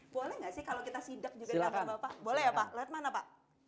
boleh gak sih kalau kita sidak juga di kantor bapak